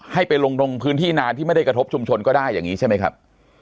ให้ไปลงตรงพื้นที่นานที่ไม่ได้กระทบชุมชนก็ได้อย่างนี้ใช่ไหมครับ